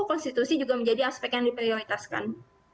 konstitusi juga menjadi aspek yang diprioritaskan